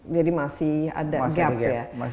jadi masih ada gap ya